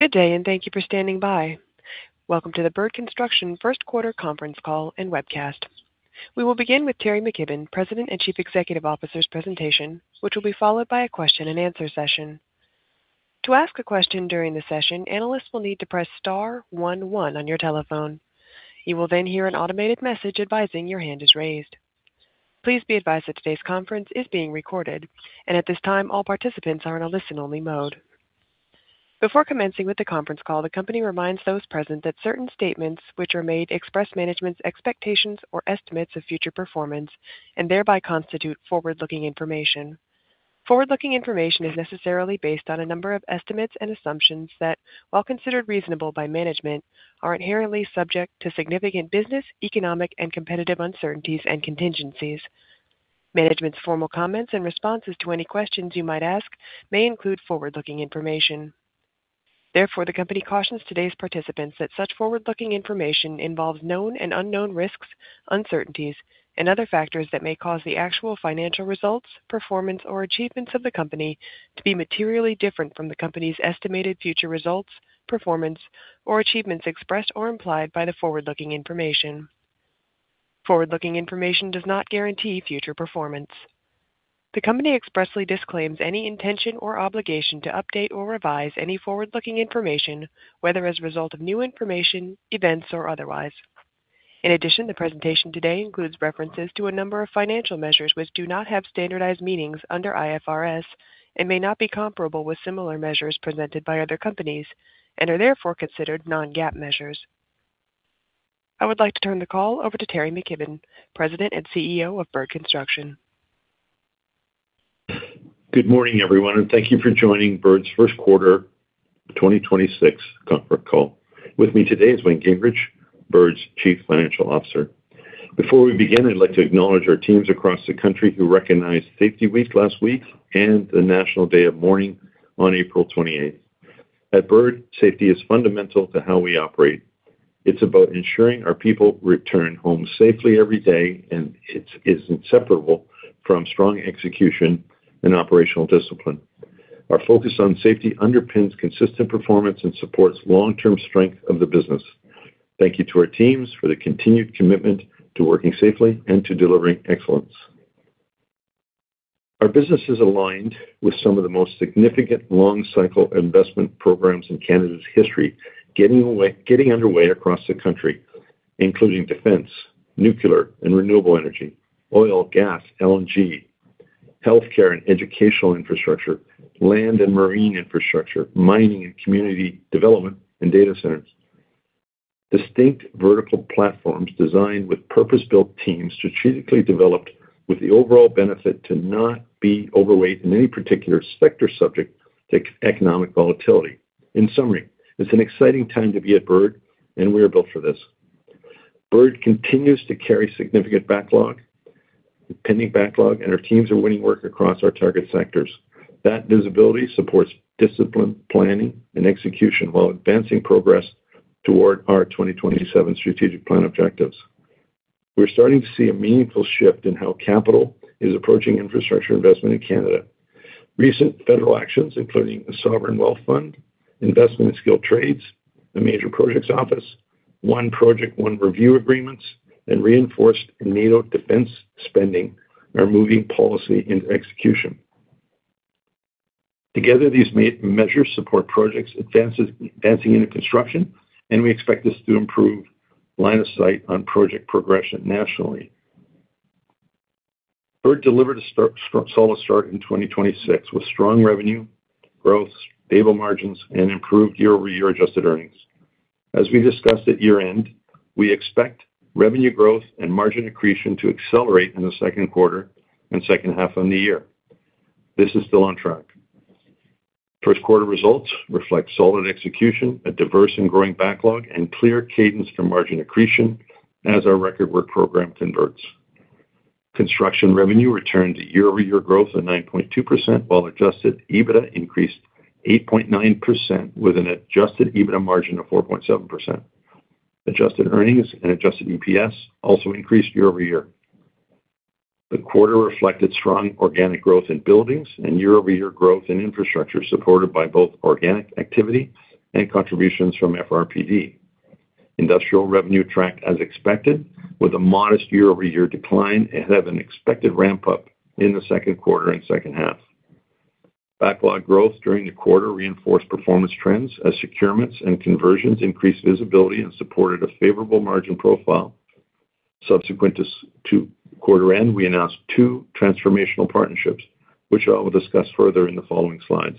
Good day, and thank you for standing by. Welcome to the Bird Construction first quarter conference call and webcast. We will begin with Teri McKibbon, President and Chief Executive Officer's presentation, which will be followed by a question and answer session. To ask a question during the session, analysts will need to press star one one on your telephone. You will then hear an automated message advising your hand is raised. Please be advised that today's conference is being recorded, and at this time, all participants are in a listen-only mode. Before commencing with the conference call, the company reminds those present that certain statements which are made express management's expectations or estimates of future performance and thereby constitute forward-looking information. Forward-looking information is necessarily based on a number of estimates and assumptions that, while considered reasonable by management, are inherently subject to significant business, economic and competitive uncertainties and contingencies. Management's formal comments and responses to any questions you might ask may include forward-looking information. Therefore, the company cautions today's participants that such forward-looking information involves known and unknown risks, uncertainties, and other factors that may cause the actual financial results, performance or achievements of the company to be materially different from the company's estimated future results, performance or achievements expressed or implied by the forward-looking information. Forward-looking information does not guarantee future performance. The company expressly disclaims any intention or obligation to update or revise any forward-looking information, whether as a result of new information, events, or otherwise. In addition, the presentation today includes references to a number of financial measures which do not have standardized meanings under IFRS and may not be comparable with similar measures presented by other companies and are therefore considered non-GAAP measures. I would like to turn the call over to Teri McKibbon, President and CEO of Bird Construction. Good morning, everyone, and thank you for joining Bird's first quarter 2026 conference call. With me today is Wayne Gingrich, Bird's Chief Financial Officer. Before we begin, I'd like to acknowledge our teams across the country who recognized Safety Week last week and the National Day of Mourning on April 28th. At Bird, safety is fundamental to how we operate. It's about ensuring our people return home safely every day, and it's inseparable from strong execution and operational discipline. Our focus on safety underpins consistent performance and supports long-term strength of the business. Thank you to our teams for the continued commitment to working safely and to delivering excellence. Our business is aligned with some of the most significant long-cycle investment programs in Canada's history, getting underway across the country, including defense, nuclear and renewable energy, oil, gas, LNG, healthcare and educational infrastructure, land and marine infrastructure, mining and community development, and data centers. Distinct vertical platforms designed with purpose-built teams strategically developed with the overall benefit to not be overweight in any particular sector subject to economic volatility. In summary, it's an exciting time to be at Bird. We are built for this. Bird continues to carry significant backlog, pending backlog. Our teams are winning work across our target sectors. That visibility supports disciplined planning and execution while advancing progress toward our 2027 strategic plan objectives. We're starting to see a meaningful shift in how capital is approaching infrastructure investment in Canada. Recent federal actions, including the Sovereign Wealth Fund, investment in skilled trades, the Major Projects Office, One Project-One Review agreements, and reinforced NATO defense spending are moving policy into execution. Together, these measures support projects advancing into construction. We expect this to improve line of sight on project progression nationally. Bird delivered a solid start in 2026 with strong revenue growth, stable margins, and improved year-over-year adjusted earnings. As we discussed at year-end, we expect revenue growth and margin accretion to accelerate in the second quarter and second half of the year. This is still on track. First quarter results reflect solid execution, a diverse and growing backlog, and clear cadence for margin accretion as our record work program converts. Construction revenue returned to year-over-year growth of 9.2%, while adjusted EBITDA increased 8.9% with an adjusted EBITDA margin of 4.7%. Adjusted earnings and adjusted EPS also increased year-over-year. The quarter reflected strong organic growth in buildings and year-over-year growth in infrastructure, supported by both organic activity and contributions from FRPD. Industrial revenue tracked as expected with a modest year-over-year decline ahead of an expected ramp-up in the second quarter and second half. Backlog growth during the quarter reinforced performance trends as securements and conversions increased visibility and supported a favorable margin profile. Subsequent to quarter end, we announced two transformational partnerships, which I will discuss further in the following slides.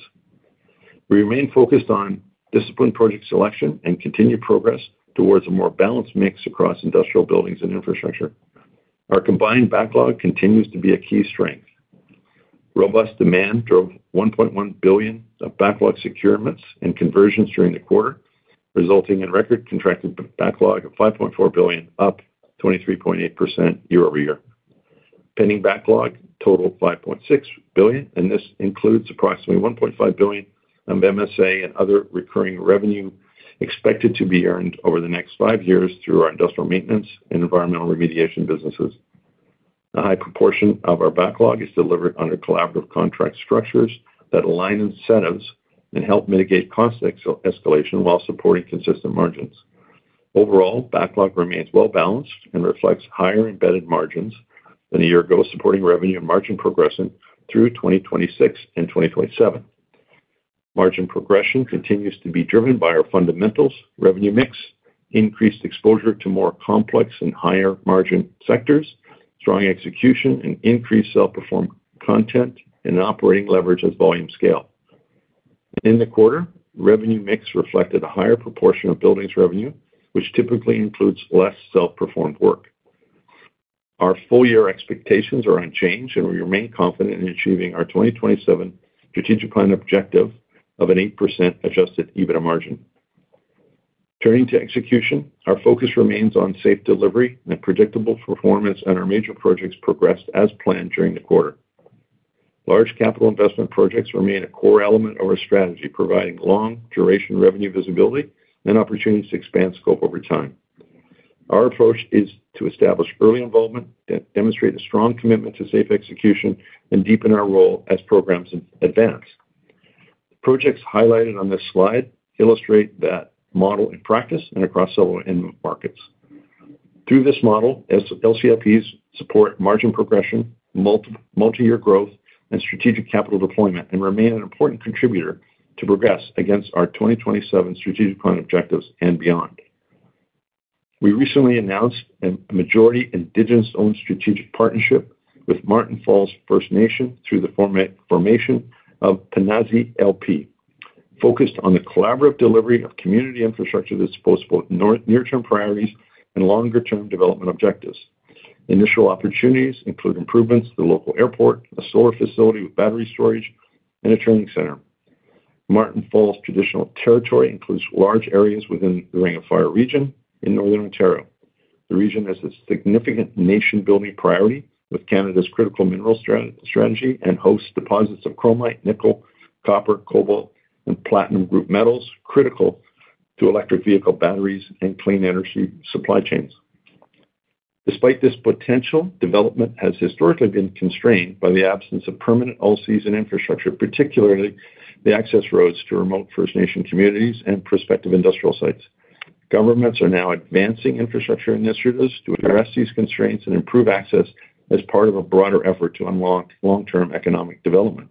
We remain focused on disciplined project selection and continued progress towards a more balanced mix across industrial buildings and infrastructure. Our combined backlog continues to be a key strength. Robust demand drove 1.1 billion of backlog securements and conversions during the quarter, resulting in record contracted backlog of 5.4 billion, up 23.8% year-over-year. Pending backlog totaled 5.6 billion, this includes approximately 1.5 billion of MSA and other recurring revenue expected to be earned over the next five years through our industrial maintenance and environmental remediation businesses. A high proportion of our backlog is delivered under collaborative contract structures that align incentives and help mitigate cost escalation while supporting consistent margins. Overall, backlog remains well-balanced and reflects higher embedded margins than a year ago, supporting revenue and margin progression through 2026 and 2027. Margin progression continues to be driven by our fundamentals, revenue mix, increased exposure to more complex and higher margin sectors, strong execution, and increased self-performed content, and an operating leverage of volume scale. In the quarter, revenue mix reflected a higher proportion of buildings revenue, which typically includes less self-performed work. Our full year expectations are unchanged, and we remain confident in achieving our 2027 strategic plan objective of an 8% adjusted EBITDA margin. Turning to execution, our focus remains on safe delivery and predictable performance on our major projects progressed as planned during the quarter. Large capital investment projects remain a core element of our strategy, providing long duration revenue visibility and opportunities to expand scope over time. Our approach is to establish early involvement, demonstrate a strong commitment to safe execution, and deepen our role as programs advance. Projects highlighted on this slide illustrate that model in practice and across several end markets. Through this model, S-LCLPs support margin progression, multiple-multi-year growth, and strategic capital deployment, remain an important contributor to progress against our 2027 strategic plan objectives and beyond. We recently announced a majority Indigenous-owned strategic partnership with Marten Falls First Nation through the formation of Piinahzii LP, focused on the collaborative delivery of community infrastructure that supports both near-term priorities and longer-term development objectives. Initial opportunities include improvements to the local airport, a solar facility with battery storage, and a training center. Marten Falls traditional territory includes large areas within the Ring of Fire region in Northern Ontario. The region has a significant nation-building priority with Canada's critical mineral strategy and hosts deposits of chromite, nickel, copper, cobalt, and platinum group metals critical to electric vehicle batteries and clean energy supply chains. Despite this potential, development has historically been constrained by the absence of permanent all-season infrastructure, particularly the access roads to remote First Nation communities and prospective industrial sites. Governments are now advancing infrastructure initiatives to address these constraints and improve access as part of a broader effort to unlock long-term economic development.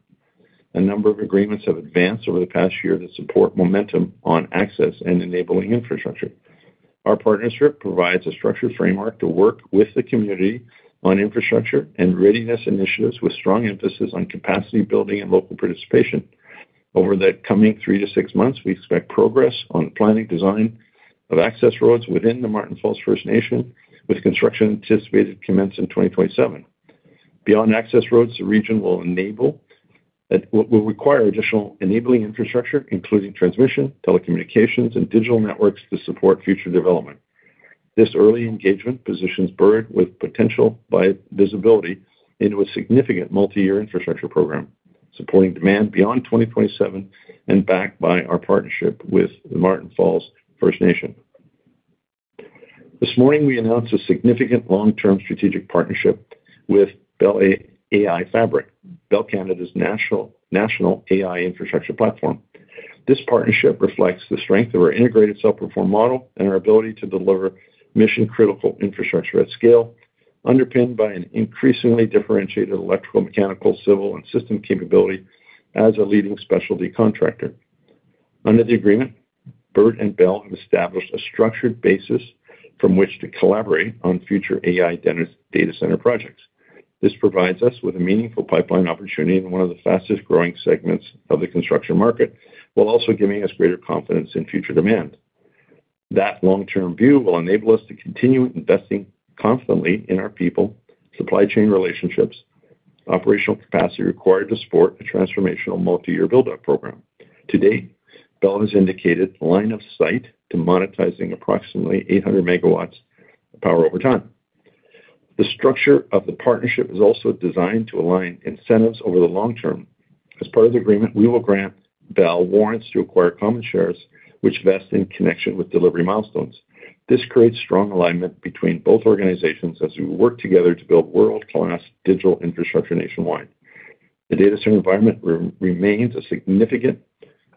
A number of agreements have advanced over the past year that support momentum on access and enabling infrastructure. Our partnership provides a structured framework to work with the community on infrastructure and readiness initiatives with strong emphasis on capacity building and local participation. Over the coming three to six months, we expect progress on planning design of access roads within the Marten Falls First Nation, with construction anticipated to commence in 2027. Beyond access roads, the region will require additional enabling infrastructure, including transmission, telecommunications, and digital networks to support future development. This early engagement positions Bird with potential by visibility into a significant multi-year infrastructure program, supporting demand beyond 2027 and backed by our partnership with the Marten Falls First Nation. This morning, we announced a significant long-term strategic partnership with Bell AI Fabric, Bell Canada's national AI infrastructure platform. This partnership reflects the strength of our integrated self-perform model and our ability to deliver mission-critical infrastructure at scale, underpinned by an increasingly differentiated electrical, mechanical, civil, and system capability as a leading specialty contractor. Under the agreement, Bird and Bell have established a structured basis from which to collaborate on future AI data center projects. This provides us with a meaningful pipeline opportunity in one of the fastest-growing segments of the construction market, while also giving us greater confidence in future demand. That long-term view will enable us to continue investing confidently in our people, supply chain relationships, operational capacity required to support a transformational multi-year build-up program. To date, Bell has indicated line of sight to monetizing approximately 800 MW of power over time. The structure of the partnership is also designed to align incentives over the long term. As part of the agreement, we will grant Bell warrants to acquire common shares which vest in connection with delivery milestones. This creates strong alignment between both organizations as we work together to build world-class digital infrastructure nationwide. The data center environment remains a significant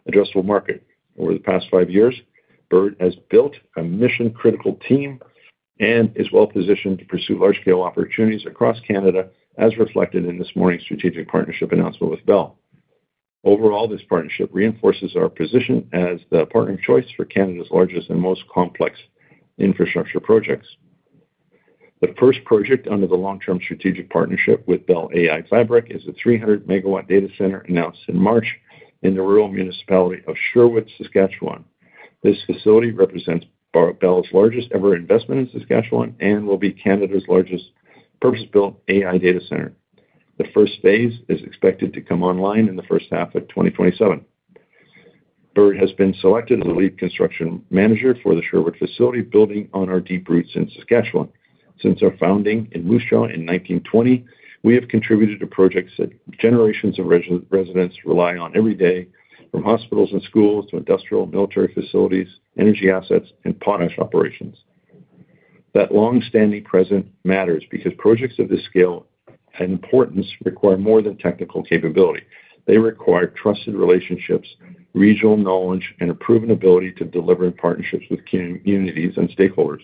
addressable market. Over the past five years, Bird has built a mission-critical team and is well-positioned to pursue large-scale opportunities across Canada, as reflected in this morning's strategic partnership announcement with Bell. Overall, this partnership reinforces our position as the partner of choice for Canada's largest and most complex infrastructure projects. The first project under the long-term strategic partnership with Bell AI Fabric is a 300 MW data center announced in March in the rural municipality of Sherwood, Saskatchewan. This facility represents Bell's largest ever investment in Saskatchewan and will be Canada's largest purpose-built AI data center. The first phase is expected to come online in the first half of 2027. Bird has been selected as the lead construction manager for the Sherwood facility, building on our deep roots in Saskatchewan. Since our founding in Moose Jaw in 1920, we have contributed to projects that generations of residents rely on every day. From hospitals and schools to industrial military facilities, energy assets and potash operations. That long-standing presence matters because projects of this scale and importance require more than technical capability. They require trusted relationships, regional knowledge, and a proven ability to deliver in partnerships with communities and stakeholders.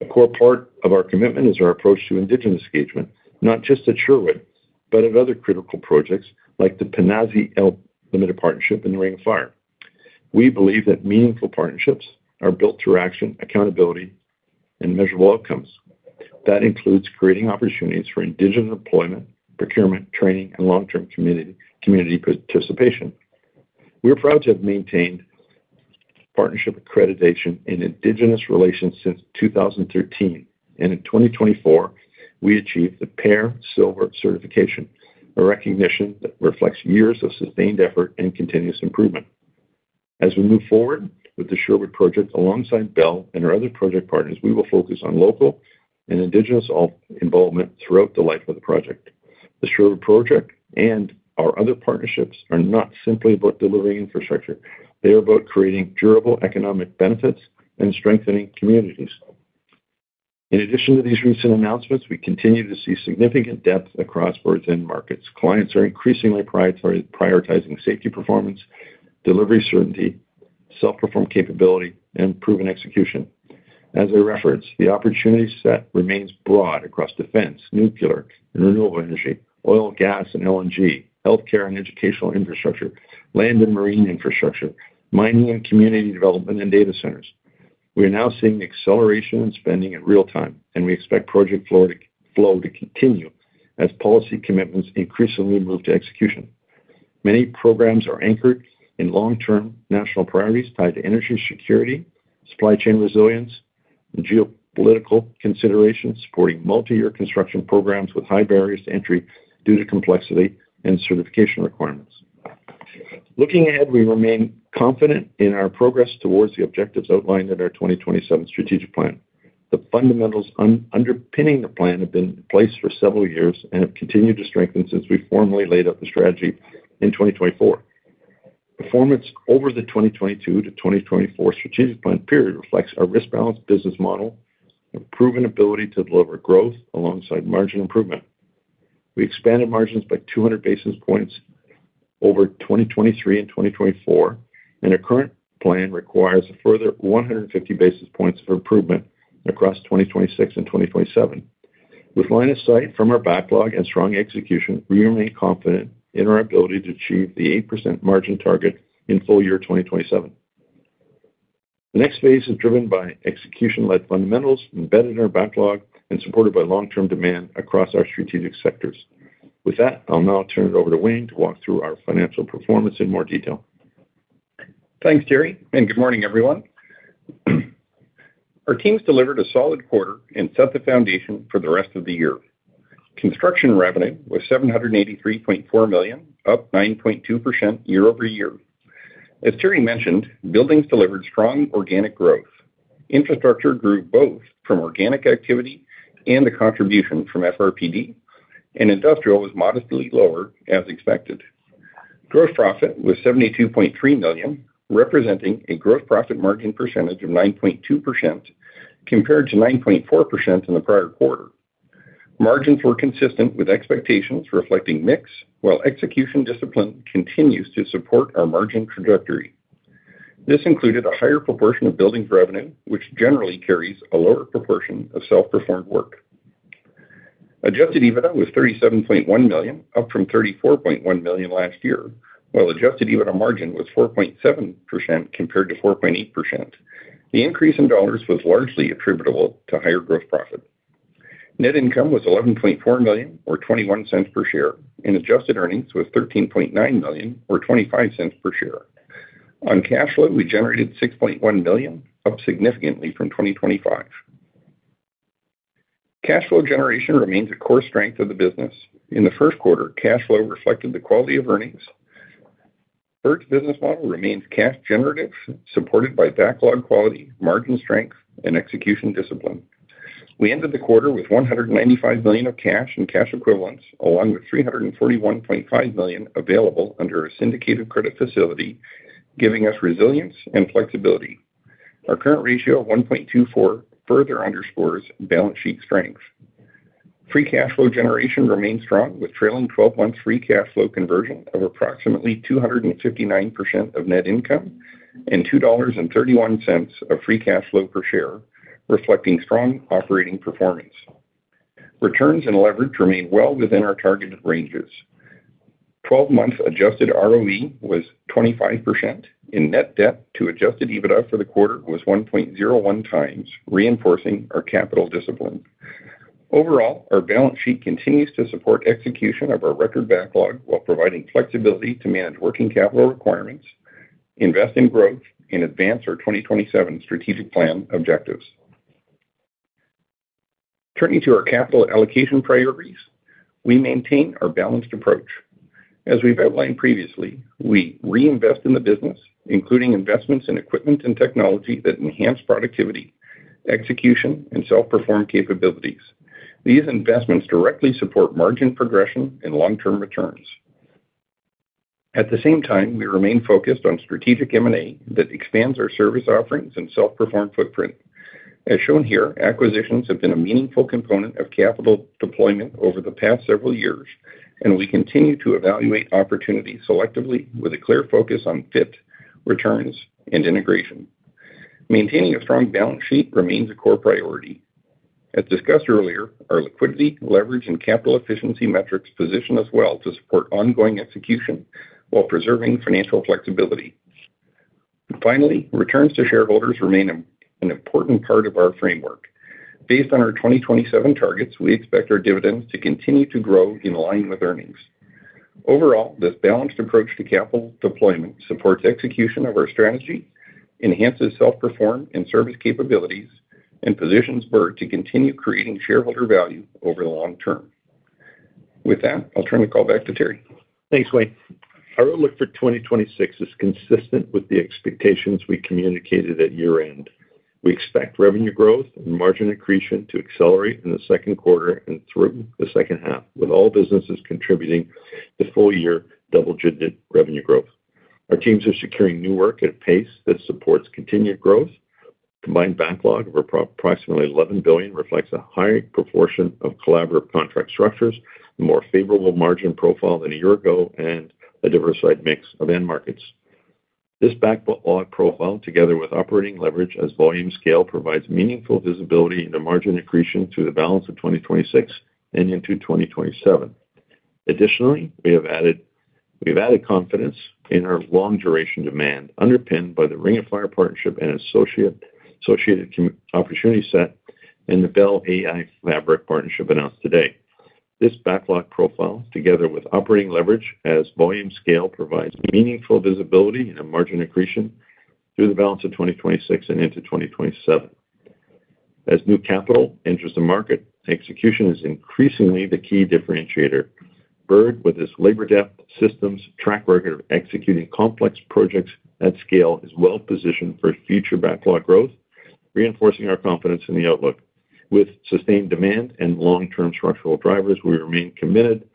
A core part of our commitment is our approach to Indigenous engagement, not just at Sherwood, but at other critical projects like the Piinahzii Limited Partnership in the Ring of Fire. We believe that meaningful partnerships are built through action, accountability, and measurable outcomes. That includes creating opportunities for Indigenous employment, procurement, training, and long-term community participation. We are proud to have maintained partnership accreditation in Indigenous relations since 2013, and in 2024, we achieved the PAIR Silver certification, a recognition that reflects years of sustained effort and continuous improvement. As we move forward with the Sherwood project alongside Bell and our other project partners, we will focus on local and Indigenous involvement throughout the life of the project. The Sherwood project and our other partnerships are not simply about delivering infrastructure. They are about creating durable economic benefits and strengthening communities. In addition to these recent announcements, we continue to see significant depth across Bird's markets. Clients are increasingly prioritizing safety performance, delivery certainty, self-perform capability, and proven execution. As I referenced, the opportunity set remains broad across defense, nuclear, and renewable energy, oil, gas, and LNG, healthcare and educational infrastructure, land and marine infrastructure, mining and community development, and data centers. We are now seeing acceleration in spending in real time, we expect project flow to continue as policy commitments increasingly move to execution. Many programs are anchored in long-term national priorities tied to energy security, supply chain resilience, and geopolitical considerations supporting multi-year construction programs with high barriers to entry due to complexity and certification requirements. Looking ahead, we remain confident in our progress towards the objectives outlined in our 2027 strategic plan. The fundamentals underpinning the plan have been in place for several years and have continued to strengthen since we formally laid out the strategy in 2024. Performance over the 2022-2024 strategic plan period reflects our risk-balanced business model and proven ability to deliver growth alongside margin improvement. We expanded margins by 200 basis points over 2023 and 2024, and our current plan requires a further 150 basis points of improvement across 2026 and 2027. With line of sight from our backlog and strong execution, we remain confident in our ability to achieve the 8% margin target in full year 2027. The next phase is driven by execution-led fundamentals embedded in our backlog and supported by long-term demand across our strategic sectors. With that, I'll now turn it over to Wayne to walk through our financial performance in more detail. Thanks, Teri. Good morning, everyone. Our teams delivered a solid quarter and set the foundation for the rest of the year. Construction revenue was 783.4 million, up 9.2% year-over-year. As Teri mentioned, buildings delivered strong organic growth. Infrastructure grew both from organic activity and the contribution from FRPD, and industrial was modestly lower as expected. Gross profit was 72.3 million, representing a gross profit margin percentage of 9.2% compared to 9.4% in the prior quarter. Margins were consistent with expectations reflecting mix, while execution discipline continues to support our margin trajectory. This included a higher proportion of buildings revenue, which generally carries a lower proportion of self-performed work. Adjusted EBITDA was 37.1 million, up from 34.1 million last year, while adjusted EBITDA margin was 4.7% compared to 4.8%. The increase in dollars was largely attributable to higher growth profit. Net income was 11.4 million or 0.21 per share, and adjusted earnings was 13.9 million or 0.25 per share. On cash flow, we generated 6.1 million, up significantly from 2025. Cash flow generation remains a core strength of the business. In the first quarter, cash flow reflected the quality of earnings. Bird's business model remains cash generative, supported by backlog quality, margin strength, and execution discipline. We ended the quarter with 195 million of cash and cash equivalents, along with 341.5 million available under a syndicated credit facility, giving us resilience and flexibility. Our current ratio of 1.24 further underscores balance sheet strength. Free cash flow generation remains strong, with trailing 12-month free cash flow conversion of approximately 259% of net income and 2.31 dollars of free cash flow per share, reflecting strong operating performance. Returns and leverage remain well within our targeted ranges. 12-month adjusted ROE was 25%, and net debt to adjusted EBITDA for the quarter was 1.01x, reinforcing our capital discipline. Overall, our balance sheet continues to support execution of our record backlog while providing flexibility to manage working capital requirements, invest in growth, and advance our 2027 strategic plan objectives. Turning to our capital allocation priorities, we maintain our balanced approach. As we've outlined previously, we reinvest in the business, including investments in equipment and technology that enhance productivity, execution, and self-perform capabilities. These investments directly support margin progression and long-term returns. At the same time, we remain focused on strategic M&A that expands our service offerings and self-perform footprint. As shown here, acquisitions have been a meaningful component of capital deployment over the past several years, and we continue to evaluate opportunities selectively with a clear focus on fit, returns, and integration. Maintaining a strong balance sheet remains a core priority. As discussed earlier, our liquidity, leverage, and capital efficiency metrics position us well to support ongoing execution while preserving financial flexibility. Finally, returns to shareholders remain an important part of our framework. Based on our 2027 targets, we expect our dividends to continue to grow in line with earnings. Overall, this balanced approach to capital deployment supports execution of our strategy, enhances self-perform and service capabilities, and positions Bird to continue creating shareholder value over the long term. With that, I'll turn the call back to Teri. Thanks, Wayne. Our outlook for 2026 is consistent with the expectations we communicated at year-end. We expect revenue growth and margin accretion to accelerate in the second quarter and through the second half, with all businesses contributing to full-year double-digit revenue growth. Our teams are securing new work at a pace that supports continued growth. Combined backlog of approximately 11 billion reflects a higher proportion of collaborative contract structures, more favorable margin profile than a year ago, and a diversified mix of end markets. This backlog profile, together with operating leverage as volume scale, provides meaningful visibility into margin accretion through the balance of 2026 and into 2027. Additionally, we've added confidence in our long-duration demand underpinned by the Ring of Fire partnership and associated opportunity set and the Bell AI Fabric partnership announced today. This backlog profile, together with operating leverage as volume scale, provides meaningful visibility and a margin accretion through the balance of 2026 and into 2027. As new capital enters the market, execution is increasingly the key differentiator. Bird, with its labor depth systems track record of executing complex projects at scale, is well-positioned for future backlog growth, reinforcing our confidence in the outlook. With sustained demand and long-term structural drivers, we remain committed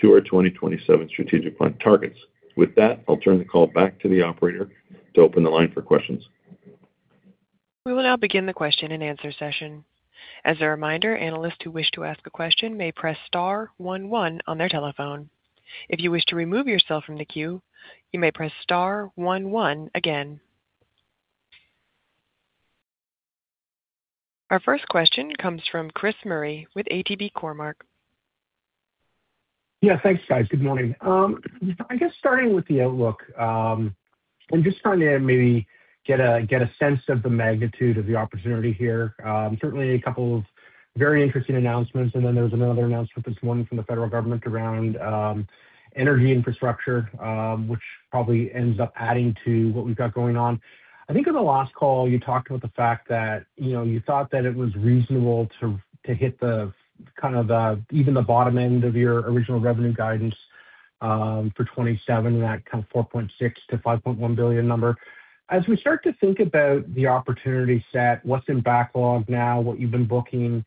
to our 2027 strategic plan targets. With that, I'll turn the call back to the operator to open the line for questions. We will now begin the question-and-answer session. As a reminder, analysts who wish to ask a question may press star one one on their telephone. If you wish to remove yourself from the queue, you may press star one one again. Our first question comes from Chris Murray with ATB Cormark. Yeah. Thanks, guys. Good morning. I guess starting with the outlook, I'm just trying to maybe get a sense of the magnitude of the opportunity here. Certainly a couple of very interesting announcements, and then there was another announcement this morning from the federal government around energy infrastructure, which probably ends up adding to what we've got going on. I think on the last call you talked about the fact that, you know, you thought that it was reasonable to hit the kind of the, even the bottom end of your original revenue guidance, for 2027 and that kind of 4.6 billion-5.1 billion number. As we start to think about the opportunity set, what's in backlog now, what you've been booking,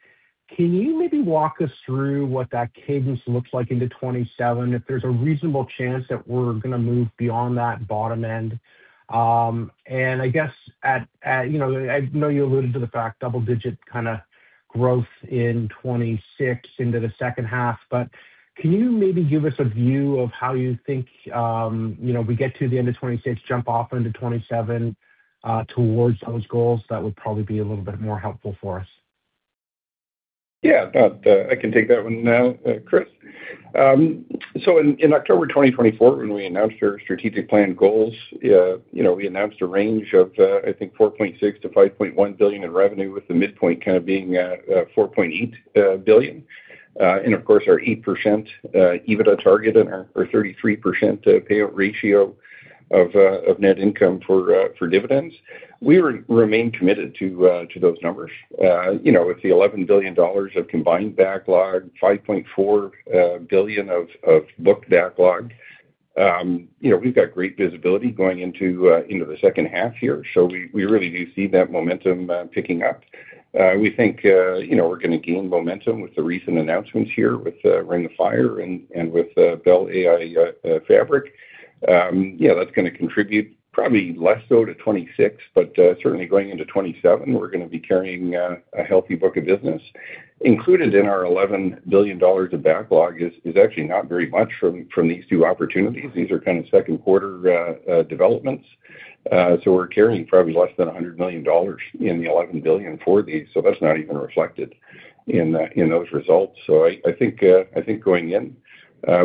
can you maybe walk us through what that cadence looks like into 2027, if there's a reasonable chance that we're gonna move beyond that bottom end? I guess at, you know, I know you alluded to the fact double-digit kinda growth in 2026 into the second half, can you maybe give us a view of how you think, you know, we get to the end of 2026, jump off into 2027 towards those goals? That would probably be a little bit more helpful for us. Yeah. That, I can take that one now, Chris. In October 2024 when we announced our strategic plan goals, you know, we announced a range of, I think 4.6 billion-5.1 billion in revenue, with the midpoint kind of being 4.8 billion. Of course, our 8% EBITDA target and our 33% payout ratio of net income for dividends. We remain committed to those numbers. You know, with the 11 billion dollars of combined backlog, 5.4 billion of booked backlog, you know, we've got great visibility going into the second half here. We really do see that momentum picking up. We think, you know, we're gonna gain momentum with the recent announcements here with Ring of Fire and with Bell AI Fabric. Yeah, that's gonna contribute probably less so to 2026, but certainly going into 2027, we're gonna be carrying a healthy book of business. Included in our 11 billion dollars of backlog is actually not very much from these two opportunities. These are kind of second quarter developments. We're carrying probably less than 100 million dollars in the 11 billion for these, so that's not even reflected in those results. I think, going in,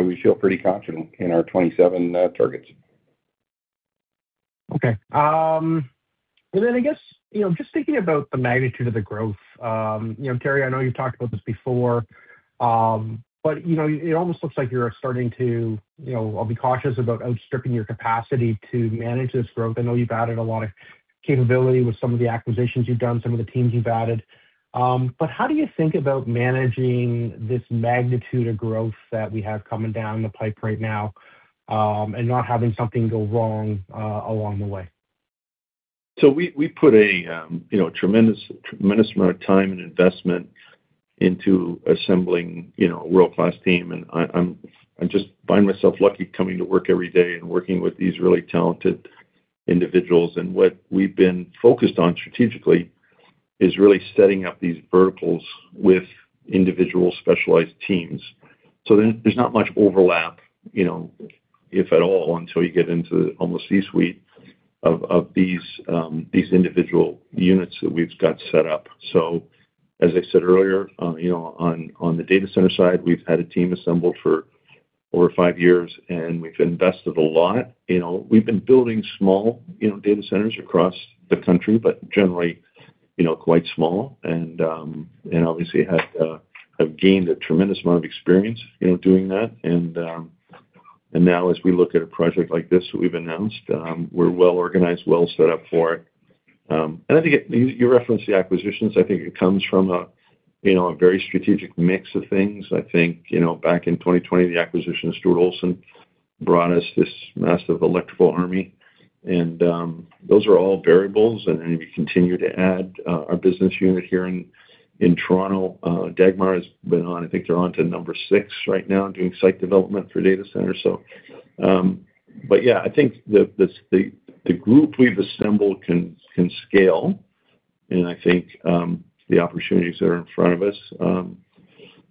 we feel pretty confident in our 2027 targets. Okay. I guess, you know, just thinking about the magnitude of the growth, you know, Teri, I know you've talked about this before, you know, it almost looks like you're starting to, you know, I'll be cautious about outstripping your capacity to manage this growth. I know you've added a lot of capability with some of the acquisitions you've done, some of the teams you've added. How do you think about managing this magnitude of growth that we have coming down the pipe right now, not having something go wrong along the way? We put a, you know, tremendous amount of time and investment into assembling, you know, a world-class team. I just find myself lucky coming to work every day and working with these really talented individuals. What we've been focused on strategically is really setting up these verticals with individual specialized teams. There's not much overlap, you know, if at all, until you get into almost C-suite of these individual units that we've got set up. As I said earlier, you know, on the data center side, we've had a team assembled for over five years, and we've invested a lot. You know, we've been building small, you know, data centers across the country, but generally, you know, quite small. Obviously had, have gained a tremendous amount of experience, you know, doing that. Now as we look at a project like this that we've announced, we're well organized, well set up for it. I think you referenced the acquisitions. I think it comes from a, you know, a very strategic mix of things. I think, you know, back in 2020, the acquisition of Stuart Olson brought us this massive electrical army. Those are all variables. We continue to add our business unit here in Toronto. Dagmar has been on, I think they're onto number six right now, doing site development for data centers. Yeah, I think the group we've assembled can scale. I think the opportunities that are in front of us,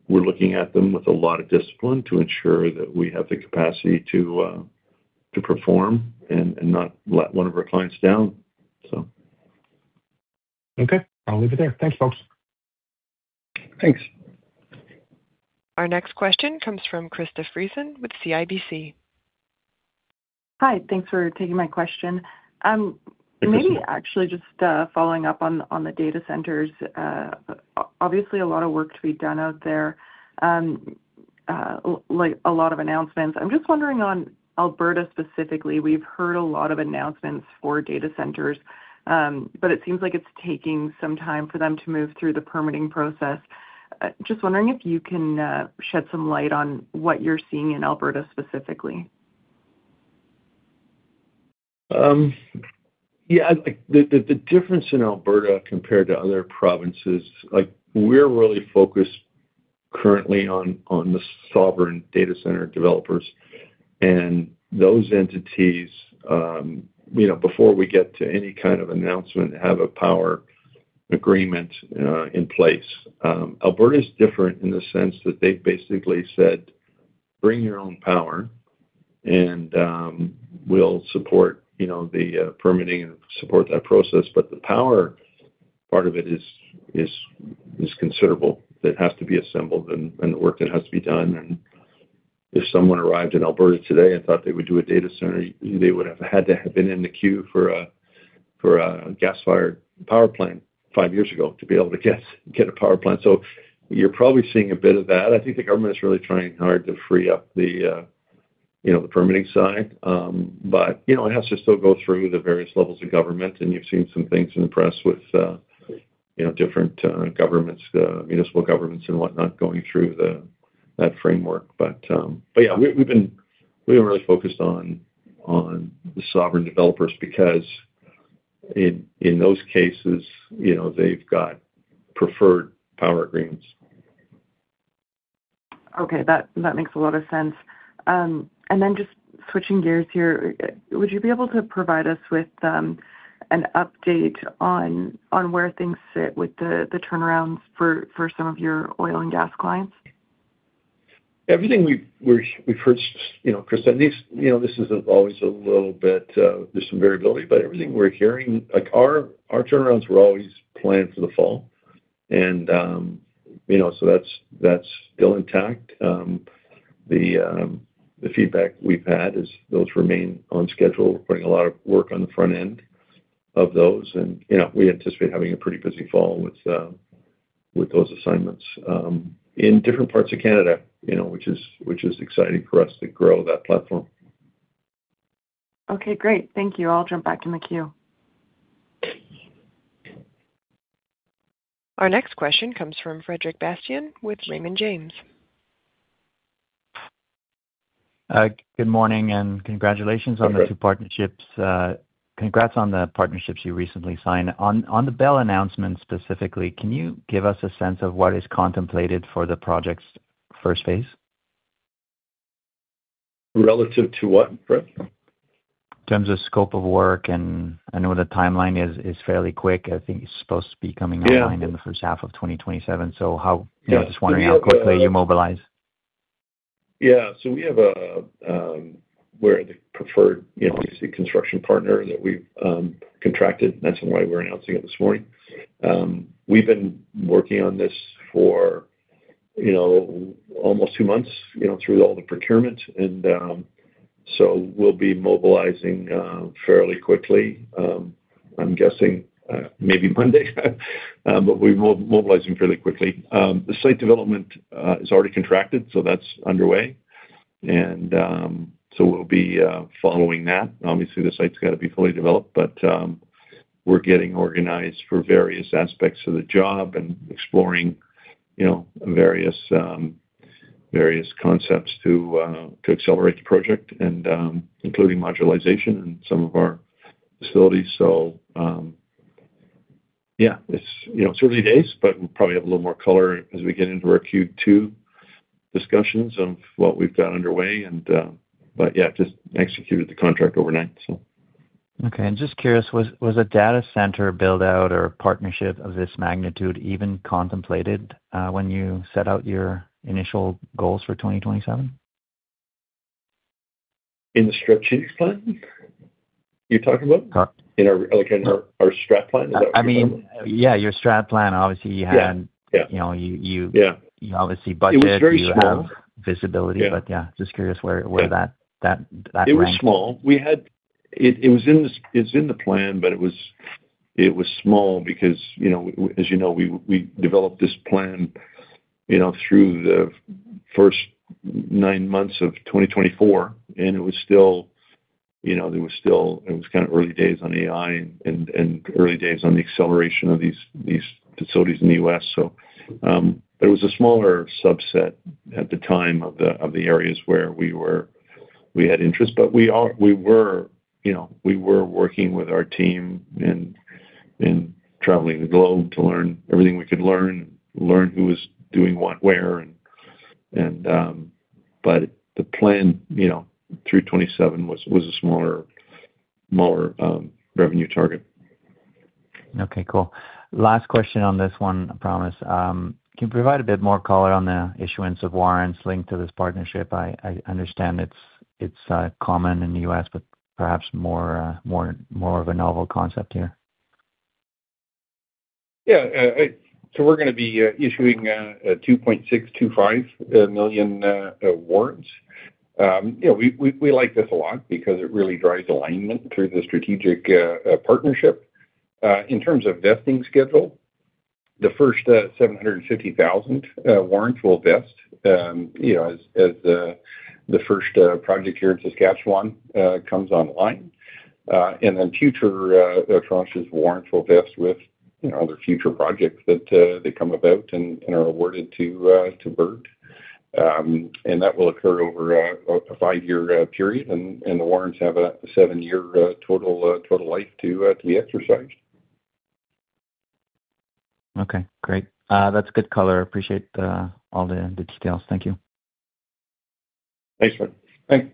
we're looking at them with a lot of discipline to ensure that we have the capacity to perform and not let one of our clients down. Okay. I'll leave it there. Thanks, folks. Thanks. Our next question comes from Krista Friesen with CIBC. Hi. Thanks for taking my question. Yes, ma'am. Maybe actually just following up on the data centers. Obviously, a lot of work to be done out there. Like, a lot of announcements. I'm just wondering on Alberta specifically. We've heard a lot of announcements for data centers, but it seems like it's taking some time for them to move through the permitting process. Just wondering if you can shed some light on what you're seeing in Alberta specifically. Yeah. The difference in Alberta compared to other provinces, like we're really focused currently on the sovereign data center developers. Those entities, you know, before we get to any kind of announcement, have a power agreement in place. Alberta is different in the sense that they've basically said, "Bring your own power, and we'll support, you know, the permitting and support that process." The power part of it is considerable. It has to be assembled, and the work that has to be done. If someone arrived in Alberta today and thought they would do a data center, they would have had to have been in the queue for a gas-fired power plant five years ago to be able to get a power plant. You're probably seeing a bit of that. I think the government is really trying hard to free up the, you know, the permitting side. You know, it has to still go through the various levels of government, and you've seen some things in the press with, you know, different governments, municipal governments and whatnot going through the, that framework. Yeah, we are really focused on the sovereign developers because in those cases, you know, they've got preferred power agreements. Okay. That makes a lot of sense. Just switching gears here. Would you be able to provide us with an update on where things sit with the turnarounds for some of your oil and gas clients? Everything we've heard, you know, Krista, at least, you know, this is always a little bit, there's some variability, but everything we're hearing, like our turnarounds were always planned for the fall. You know, so that's still intact. The feedback we've had is those remain on schedule. We're putting a lot of work on the front end of those. You know, we anticipate having a pretty busy fall with those assignments in different parts of Canada, you know, which is, which is exciting for us to grow that platform. Okay, great. Thank you. I'll jump back in the queue. Our next question comes from Frederic Bastien with Raymond James. Good morning. Good morning. The two partnerships. Congrats on the partnerships you recently signed. On the Bell announcement specifically, can you give us a sense of what is contemplated for the project's first phase? Relative to what, Fred? In terms of scope of work, I know the timeline is fairly quick. Yeah. online in the first half of 2027. Yeah. We have. You know, just wondering how quickly you mobilize. Yeah. We have a, we're the preferred, you know, basically construction partner that we've contracted. That's why we're announcing it this morning. We've been working on this for, you know, almost two months, you know, through all the procurement and we'll be mobilizing fairly quickly. I'm guessing, maybe Monday, we're mobilizing fairly quickly. The site development is already contracted, that's underway. We'll be following that. Obviously, the site's got to be fully developed, we're getting organized for various aspects of the job and exploring, you know, various concepts to accelerate the project and including modularization in some of our facilities. Yeah, it's, you know, it's early days, but we'll probably have a little more color as we get into our Q2 discussions of what we've got underway and yeah, just executed the contract overnight. Okay. Just curious, was a data center build-out or partnership of this magnitude even contemplated when you set out your initial goals for 2027? In the strategic plan, you're talking about? Uh- Like in our strat plan? Is that what you're talking about? I mean, yeah, your strat plan. Obviously, you had. Yeah. You know. Yeah. You obviously budget. It was very small. You have visibility. Yeah. Yeah, just curious where that ranked? It was small. It was in the plan, but it was small because, you know, as you know, we developed this plan, you know, through the first nine months of 2024, and it was still, you know, It was kind of early days on AI and early days on the acceleration of these facilities in the U.S. It was a smaller subset at the time of the areas where we had interest. We were, you know, we were working with our team and traveling the globe to learn everything we could learn who was doing what, where, and the plan, you know, through 2027 was a smaller revenue target. Okay, cool. Last question on this one, I promise. Can you provide a bit more color on the issuance of warrants linked to this partnership? I understand it's common in the U.S., but perhaps more of a novel concept here. Yeah. So we're gonna be issuing 2.625 million warrants. You know, we, we like this a lot because it really drives alignment through the strategic partnership. In terms of vesting schedule, the first 750,000 warrants will vest, you know, as the first project here in Saskatchewan comes online. Then future tranches of warrants will vest with, you know, other future projects that they come about and are awarded to Bird. That will occur over a five-year period, and the warrants have a seven-year total life to be exercised. Okay, great. That's good color. Appreciate all the details. Thank you. Thanks, Fred. Thanks.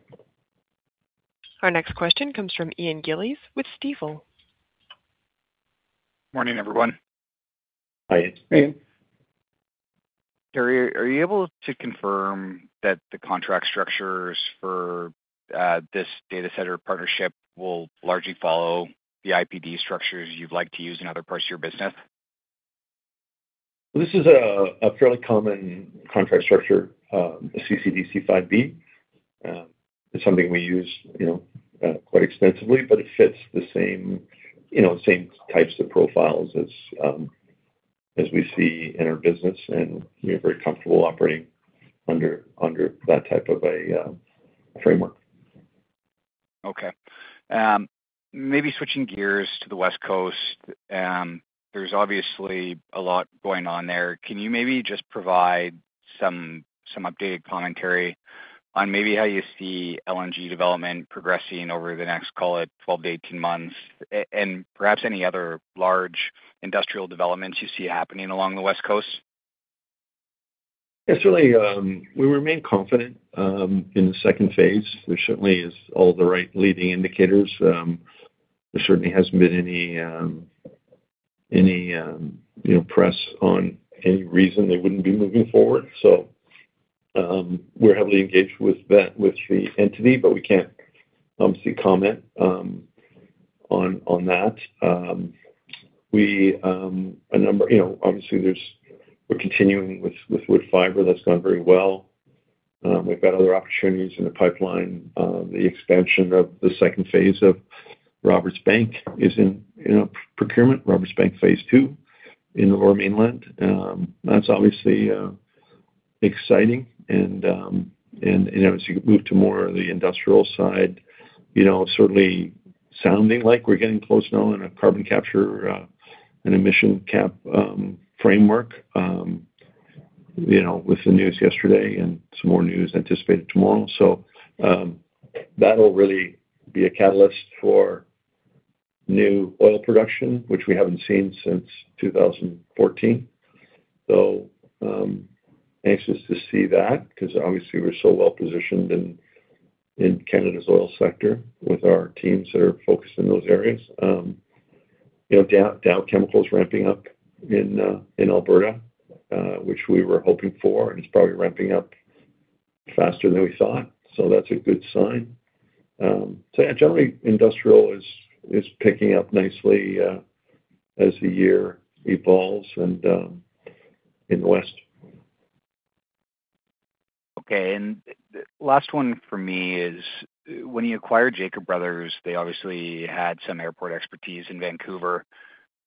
Our next question comes from Ian Gillies with Stifel. Morning, everyone. Hi, Ian. Teri, are you able to confirm that the contract structures for this data center partnership will largely follow the IPD structures you'd like to use in other parts of your business? This is a fairly common contract structure. A CCDC 5B is something we use, you know, quite extensively, but it fits the same, you know, same types of profiles as we see in our business, and we are very comfortable operating under that type of a framework. Okay. Maybe switching gears to the West Coast. There's obviously a lot going on there. Can you maybe just provide some updated commentary on maybe how you see LNG development progressing over the next, call it, 12 months-18 months, and perhaps any other large industrial developments you see happening along the West Coast? Yes, certainly. We remain confident in the second phase. There certainly is all the right leading indicators. There certainly hasn't been any, you know, press on any reason they wouldn't be moving forward. We're heavily engaged with the entity, but we can't obviously comment on that. We, you know, obviously we're continuing with Woodfibre. That's gone very well. We've got other opportunities in the pipeline. The expansion of the second phase of Roberts Bank is in procurement. Roberts Bank phase II in the Lower Mainland. That's obviously exciting, and as you move to more of the industrial side, you know, certainly sounding like we're getting close now on a carbon capture, an emission cap framework, you know, with the news yesterday and some more news anticipated tomorrow. That'll really be a catalyst for new oil production, which we haven't seen since 2014. Anxious to see that because obviously we're so well positioned in Canada's oil sector with our teams that are focused in those areas. You know, Dow Chemical's ramping up in Alberta, which we were hoping for, and it's probably ramping up faster than we thought, so that's a good sign. Generally industrial is picking up nicely as the year evolves and in the West. Okay, last one for me is, when you acquired Jacob Bros, they obviously had some airport expertise in Vancouver.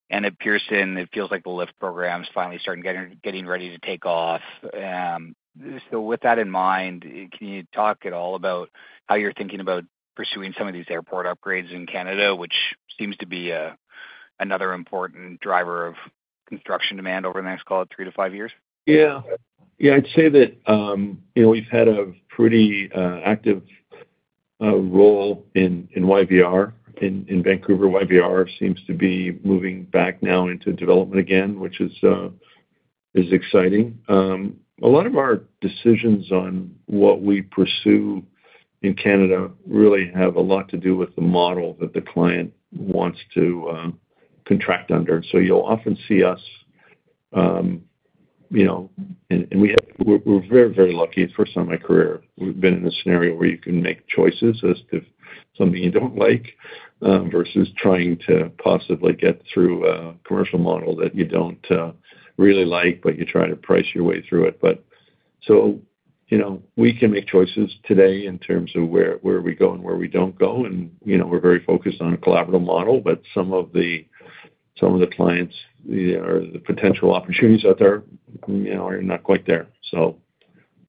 At Pearson, it feels like the LIFT program's finally starting getting ready to take off. With that in mind, can you talk at all about how you're thinking about pursuing some of these airport upgrades in Canada, which seems to be another important driver? Construction demand over the next, call it, three to five years? Yeah. Yeah, I'd say that, you know, we've had a pretty active role in YVR in Vancouver. YVR seems to be moving back now into development again, which is exciting. A lot of our decisions on what we pursue in Canada really have a lot to do with the model that the client wants to contract under. You'll often see us, you know, and we're very, very lucky. The first time in my career we've been in a scenario where you can make choices as to something you don't like, versus trying to possibly get through a commercial model that you don't really like, but you try to price your way through it. You know, we can make choices today in terms of where we go and where we don't go. You know, we're very focused on a collaborative model, but some of the, some of the clients or the potential opportunities out there, you know, are not quite there. We'll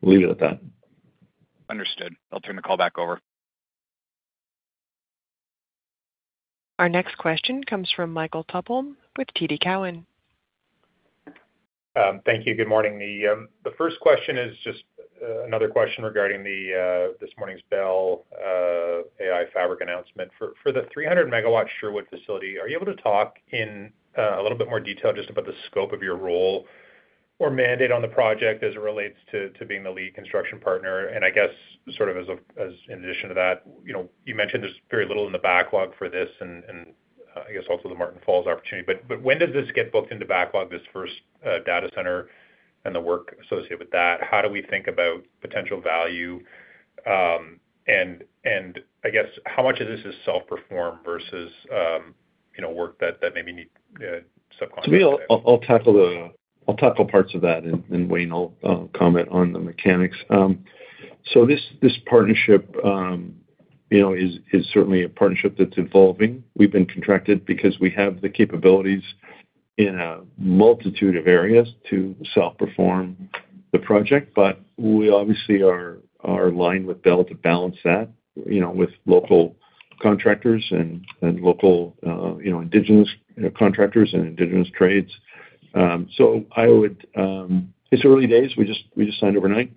leave it at that. Understood. I'll turn the call back over. Our next question comes from Michael Tupholme with TD Cowen. Thank you. Good morning. The first question is just another question regarding this morning's Bell AI Fabric announcement. For the 300 MW Sherwood facility, are you able to talk in a little bit more detail just about the scope of your role or mandate on the project as it relates to being the lead construction partner? I guess sort of as a, as in addition to that, you know, you mentioned there's very little in the backlog for this and, I guess also the Marten Falls opportunity. When does this get booked into backlog, this first data center and the work associated with that? How do we think about potential value? I guess how much of this is self-performed versus, you know, work that maybe need subcontractor? To me, I'll tackle parts of that, and Wayne will comment on the mechanics. This partnership, you know, is certainly a partnership that's evolving. We've been contracted because we have the capabilities in a multitude of areas to self-perform the project. We obviously are aligned with Bell to balance that, you know, with local contractors and local, you know, indigenous contractors and indigenous trades. It's early days. We just signed overnight.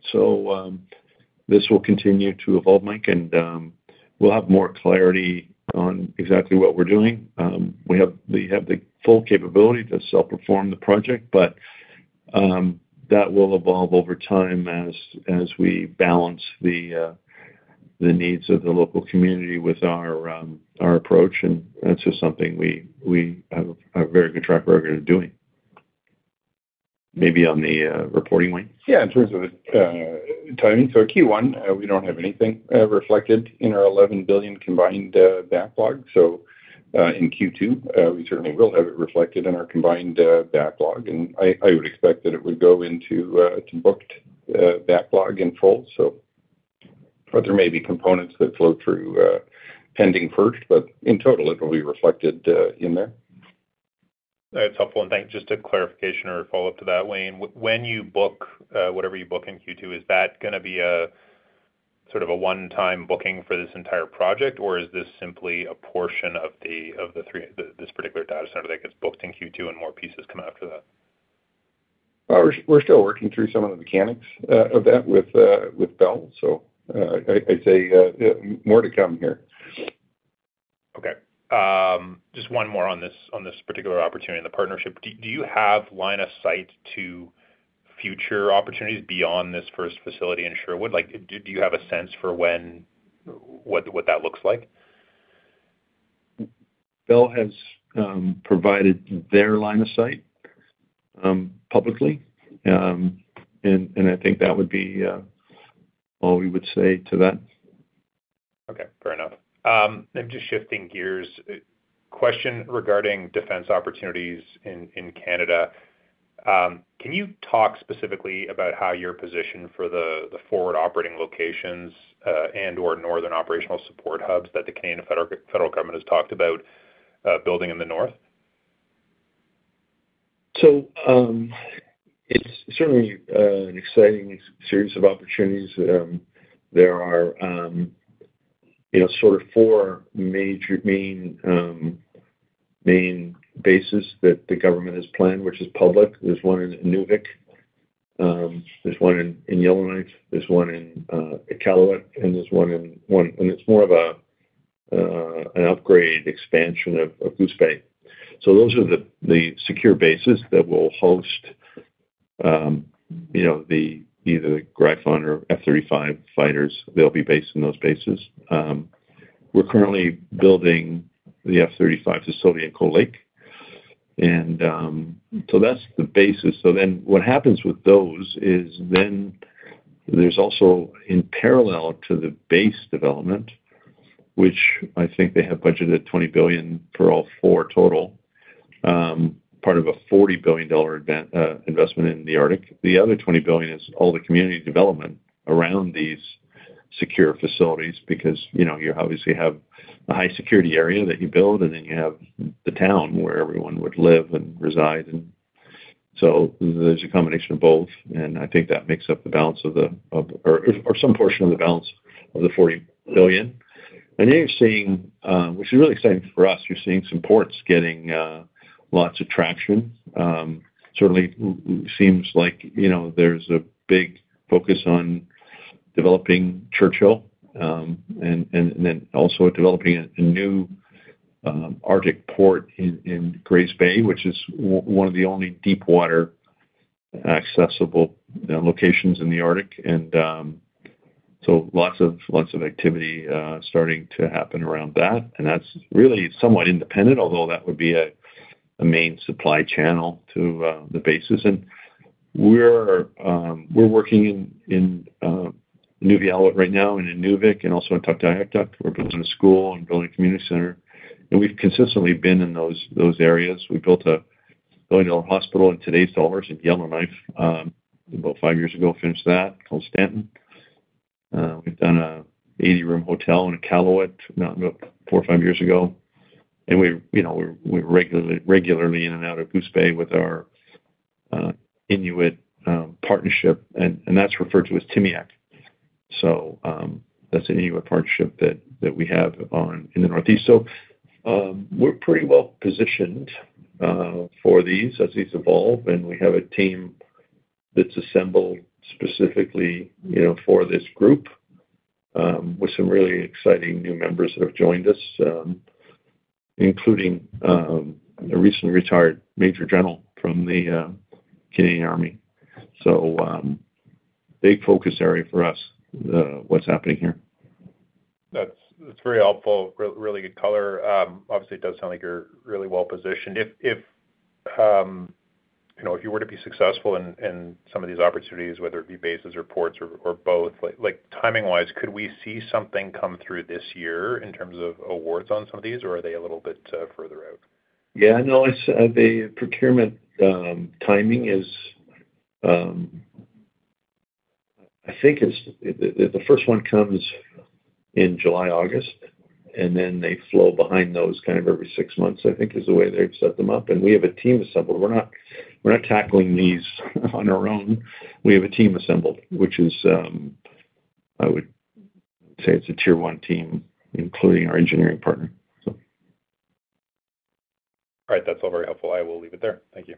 This will continue to evolve, Mike, and we'll have more clarity on exactly what we're doing. We have the full capability to self-perform the project, but that will evolve over time as we balance the needs of the local community with our approach. That's just something we have a very good track record of doing. Maybe on the reporting, Wayne. Yeah. In terms of timing. Q1, we don't have anything reflected in our 11 billion combined backlog. In Q2, we certainly will have it reflected in our combined backlog, and I would expect that it would go into booked backlog in full. There may be components that flow through pending first, but in total it will be reflected in there. That's helpful. Thanks. Just a clarification or follow-up to that, Wayne, when you book, whatever you book in Q2, is that gonna be a sort of a 1x booking for this entire project, or is this simply a portion of the, of the three this particular data center that gets booked in Q2 and more pieces come after that? We're still working through some of the mechanics of that with Bell, so I'd say more to come here. Okay. Just one more on this, on this particular opportunity and the partnership. Do you have line of sight to future opportunities beyond this first facility in Sherwood? Like, do you have a sense for what that looks like? Bell has provided their line of sight publicly. I think that would be all we would say to that. Okay. Fair enough. Just shifting gears, question regarding defense opportunities in Canada. Can you talk specifically about how you're positioned for the forward operating locations and/or northern operational support hubs that the Canadian federal government has talked about, building in the North? It's certainly an exciting series of opportunities. There are, you know, sort of four major main bases that the government has planned, which is public. There's one in Inuvik, there's one in Yellowknife, there's one in Iqaluit, and it's more of an upgrade expansion of Goose Bay. Those are the secure bases that will host, you know, the either Gripen or F-35 fighters. They'll be based in those bases. We're currently building the F-35 facility in Cold Lake. That's the basis. What happens with those is there's also in parallel to the base development, which I think they have budgeted 20 billion for all four total, part of a 40 billion dollar investment in the Arctic. The other 20 billion is all the community development around these secure facilities because, you know, you obviously have a high security area that you build, and then you have the town where everyone would live and reside in. There's a combination of both, and I think that makes up the balance of the, or some portion of the balance of the 40 million. Then you're seeing, which is really exciting for us, you're seeing some ports getting lots of traction. Certainly seems like, you know, there's a big focus on developing Churchill, and then also developing a new Arctic port in Grays Bay, which is one of the only deep water accessible locations in the Arctic. Lots of, lots of activity starting to happen around that. That's really somewhat independent, although that would be a main supply channel to the bases. We're working in Nunavut right now and in Inuvik and also in Tuktoyaktuk. We're building a school and building a community center, and we've consistently been in those areas. We built a hospital in today's dollars in Yellowknife, about five years ago, finished that, called Stanton. We've done a 80-room hotel in Aklavik four years or five years ago. We're, you know, we're regularly in and out of Goose Bay with our Inuit partnership, and that's referred to as Timmiak. That's an Inuit partnership that we have on in the Northeast. We're pretty well-positioned for these as these evolve. We have a team that's assembled specifically, you know, for this group, with some really exciting new members that have joined us, including a recently retired major general from the Canadian Army. Big focus area for us, what's happening here. That's very helpful. Really good color. Obviously, it does sound like you're really well-positioned. If you were to be successful in some of these opportunities, whether it be bases or ports or both, like timing-wise, could we see something come through this year in terms of awards on some of these, or are they a little bit further out? Yeah, no, it's the procurement timing is I think the first one comes in July, August, and then they flow behind those kind of every six months, I think is the way they've set them up. We have a team assembled. We're not tackling these on our own. We have a team assembled, which is, I would say it's a Tier 1 team, including our engineering partner. All right. That's all very helpful. I will leave it there. Thank you.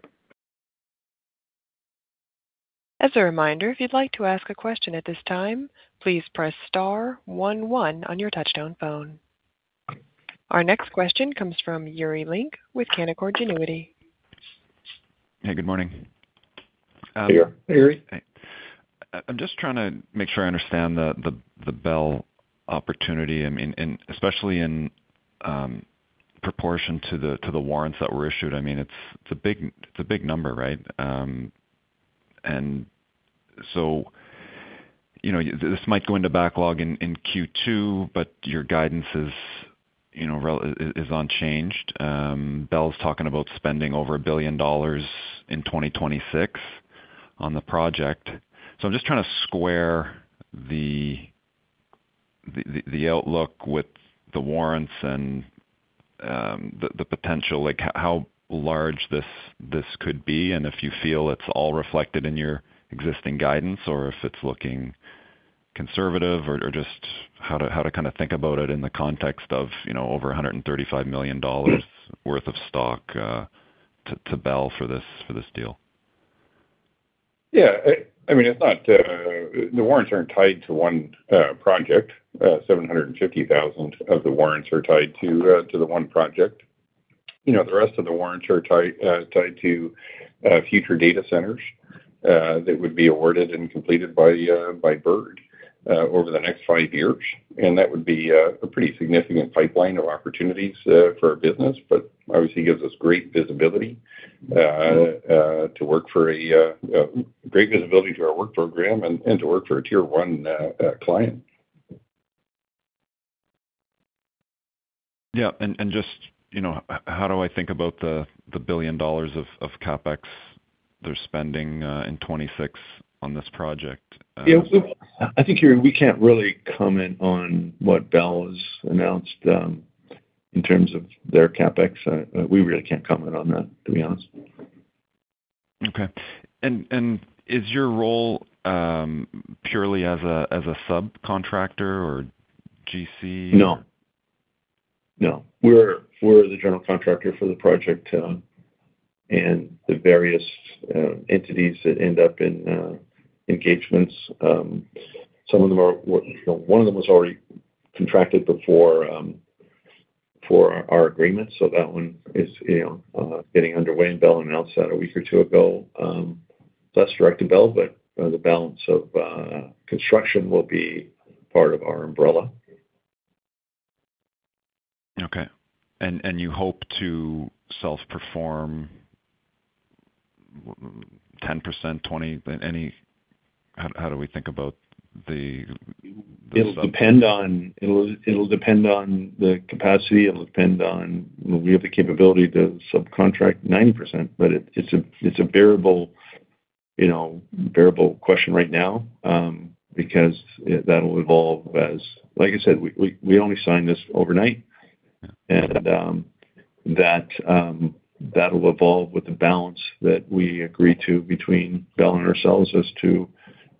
As a reminder, if you would like to ask a question at this time, please press star one one on your touchtone phone. Our next question comes from Yuri Lynk with Canaccord Genuity. Hey, good morning. Hey, Yuri. I'm just trying to make sure I understand the Bell opportunity. I mean, and especially in proportion to the warrants that were issued. I mean, it's a big number, right? You know, this might go into backlog in Q2, but your guidance is, you know, is unchanged. Bell's talking about spending over 1 billion dollars in 2026 on the project. I'm just trying to square the outlook with the warrants and the potential, like how large this could be, and if you feel it's all reflected in your existing guidance or if it's looking conservative or just how to kinda think about it in the context of, you know, over 135 million dollars worth of stock to Bell for this deal. Yeah. I mean, it's not the warrants aren't tied to one project. 750,000 of the warrants are tied to the one project. You know, the rest of the warrants are tied to future data centers that would be awarded and completed by Bird over the next five years. That would be a pretty significant pipeline of opportunities for our business. Obviously gives us great visibility to our work program and to work for a Tier 1 client. Yeah. just, you know, how do I think about the 1 billion dollars of CapEx they're spending in 2026 on this project? Yeah. I think, Yuri, we can't really comment on what Bell has announced, in terms of their CapEx. We really can't comment on that, to be honest. Okay. Is your role purely as a subcontractor or GC? No. No. We're the general contractor for the project, and the various entities that end up in engagements. Some of them are, you know, one of them was already contracted before for our agreement, so that one is, you know, getting underway, and Bell announced that a week or two ago. That's direct to Bell, but the balance of construction will be part of our umbrella. Okay. you hope to self-perform 10%, 20%, how do we think about the sub- It'll depend on the capacity. It'll depend on. We have the capability to subcontract 9%, but it's a variable. You know, variable question right now, because it'll evolve as like I said, we only signed this overnight. That'll evolve with the balance that we agree to between Bell and ourselves as to,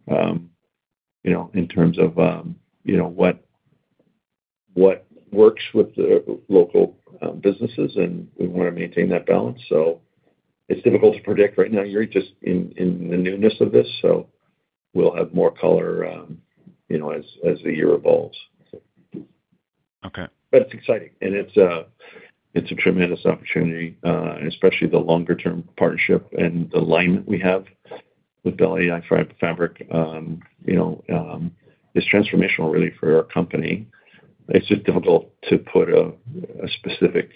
you know, in terms of, you know, what works with the local businesses, and we wanna maintain that balance. It's difficult to predict right now. You're just in the newness of this, so we'll have more color, you know, as the year evolves, so. Okay. It's exciting, and it's a tremendous opportunity, and especially the longer term partnership and the alignment we have with Bell AI Fabric, you know, is transformational really for our company. It's just difficult to put a specific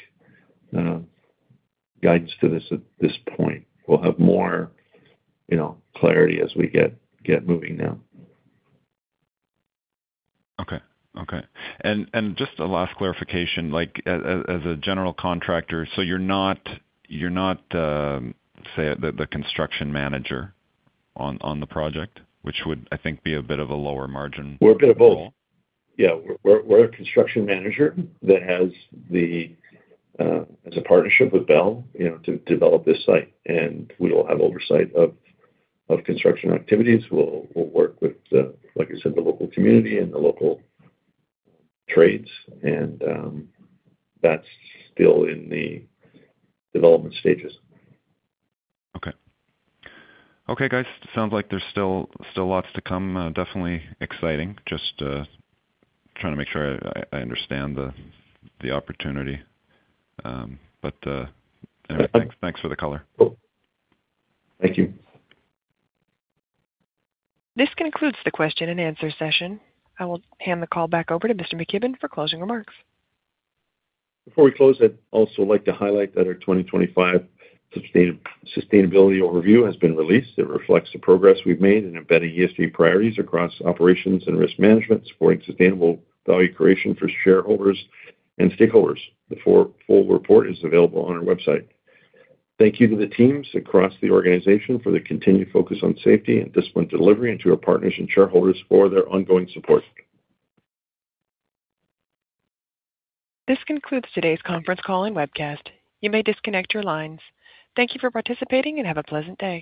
guidance to this at this point. We'll have more, you know, clarity as we get moving now. Okay. Okay, and just a last clarification, like, as a general contractor, so you're not, say, the construction manager on the project, which would, I think, be a bit of a lower margin? We're a bit of both. Yeah. We're a construction manager that has as a partnership with Bell, you know, to develop this site, and we will have oversight of construction activities. We'll work with the, like I said, the local community and the local trades and that's still in the development stages. Okay. Okay, guys, sounds like there's still lots to come. Definitely exciting. Just trying to make sure I understand the opportunity. Thanks for the color. Thank you. This concludes the question and answer session. I will hand the call back over to Mr. McKibbon for closing remarks. Before we close, I'd also like to highlight that our 2025 sustainability overview has been released. It reflects the progress we've made in embedding ESG priorities across operations and risk management, supporting sustainable value creation for shareholders and stakeholders. The full report is available on our website. Thank you to the teams across the organization for their continued focus on safety and disciplined delivery, and to our partners and shareholders for their ongoing support. This concludes today's conference call and webcast. You may disconnect your lines. Thank you for participating and have a pleasant day.